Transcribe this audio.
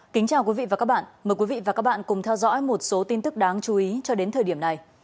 kính chào quý vị và các bạn mời quý vị và các bạn cùng theo dõi một số tin tức đáng chú ý cho đến thời điểm này